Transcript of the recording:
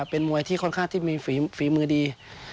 เป็นมวยที่ค่อนข้างที่มีฝีมือดี